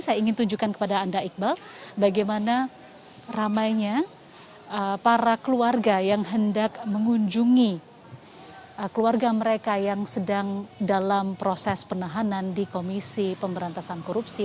saya ingin tunjukkan kepada anda iqbal bagaimana ramainya para keluarga yang hendak mengunjungi keluarga mereka yang sedang dalam proses penahanan di komisi pemberantasan korupsi